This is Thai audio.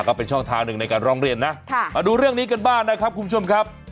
ก็เป็นช่องทางหนึ่งในการร้องเรียนนะมาดูเรื่องนี้กันบ้างนะครับคุณผู้ชมครับ